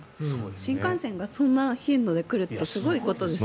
新幹線がそんな頻度で来るってすごいことですよね。